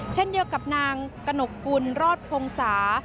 เช่นเดียวกับนางกระหนกกุลรอดพงศา